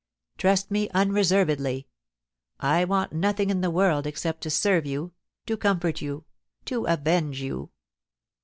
Trust me unreservedly. I want nothing in the world except to serve you, to comfort you, to avenge you.